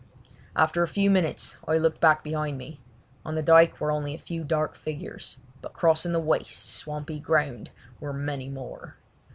After a few minutes I looked back behind me. On the dyke were only a few dark figures, but crossing the waste, swampy ground were many more.